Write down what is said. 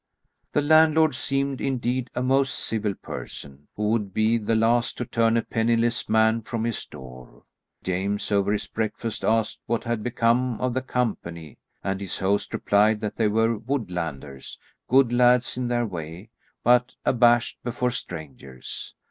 The landlord seemed, indeed, a most civil person, who would be the last to turn a penniless man from his door. James, over his breakfast, asked what had become of the company, and his host replied that they were woodlanders; good lads in their way, but abashed before strangers.